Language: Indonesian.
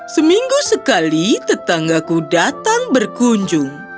seminggu sekali tetanggaku datang berkunjung